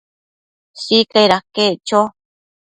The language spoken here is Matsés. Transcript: Sicaid aquec cho